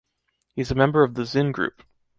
He's a member of the Zin group.